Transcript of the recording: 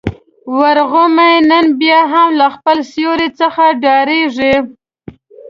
ورغومی نن بيا هم له خپل سیوري څخه ډارېږي.